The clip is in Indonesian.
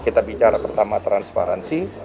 kita bicara pertama transparansi